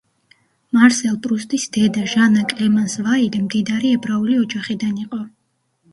მარსელ პრუსტის დედა, ჟანა კლემანს ვაილი, მდიდარი ებრაული ოჯახიდან იყო.